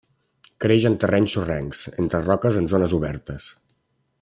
Creix en terrenys sorrencs, entre roques en zones obertes.